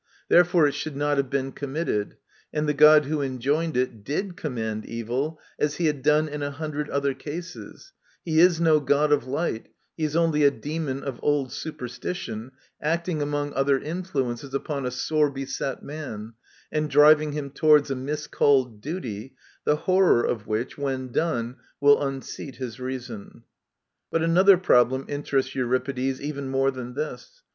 Therefore it should Digitized by VjOOQIC viii INTRODUCTION not have been committed ; and the god who enjoined it did command evil, as he had done in a hundred other cases I He is no god of light ; he is only a demon of old superstition, acting, among other in fluences, upon a sore beset man, and driving him towards a miscalled duty, the horror of which, when done, will unseat his reason. But another problem interests Euripides even more than this.